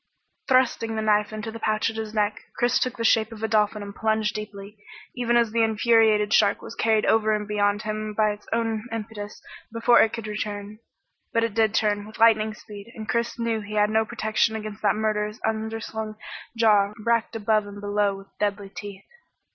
Thrusting the knife into the pouch at his neck, Chris took the shape of a dolphin and plunged deeply, even as the infuriated shark was carried over and beyond him by its own impetus before it could turn. But turn it did, with lightning speed, and Chris knew he had no protection against that murderous underslung jaw racked above and below with deadly teeth.